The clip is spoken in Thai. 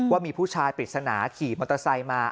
ว่ามีผู้ชายปริศนาขี่มอเตอร์ไซค์มา